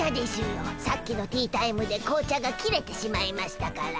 さっきのティータイムで紅茶が切れてしまいましたから。